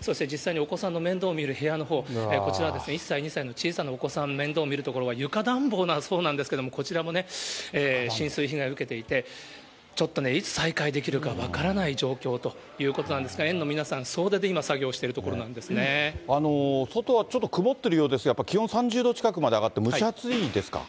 そして実際にお子さんの面倒を見る部屋、こちらですね、１歳、２歳の小さなお子さんの面倒を見る所は床暖房なんだそうですけれども、こちらもね、浸水被害を受けていて、ちょっとね、いつ再開できるか分からない状況ということなんですが、園の皆さん、総出で今、外はちょっと曇っているようですが、やっぱり気温３０度近くまで上がって、蒸し暑いですか？